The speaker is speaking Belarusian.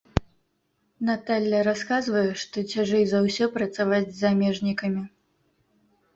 Наталля расказвае, што цяжэй за ўсе працаваць з замежнікамі.